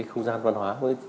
không gian văn hóa